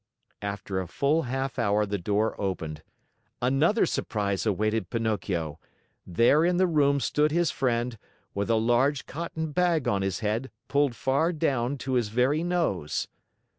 After a full half hour the door opened. Another surprise awaited Pinocchio! There in the room stood his friend, with a large cotton bag on his head, pulled far down to his very nose.